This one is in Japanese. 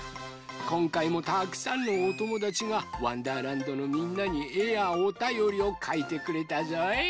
こんかいもたくさんのおともだちが「わんだーらんど」のみんなにえやおたよりをかいてくれたぞい。